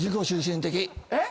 えっ？